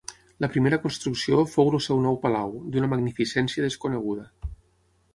La primera construcció fou el seu nou palau, d'una magnificència desconeguda.